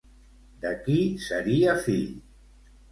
De qui seria fill?